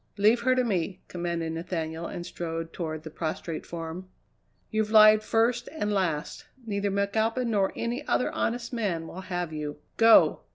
"Leave her to me!" commanded Nathaniel, and strode toward the prostrate form. "You've lied first and last. Neither McAlpin nor any other honest man will have you! Go!"